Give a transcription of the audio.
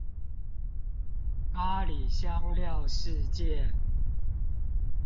咖哩香料事件